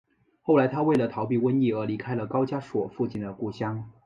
后来他为了逃避瘟疫而离开了高加索附近的故乡。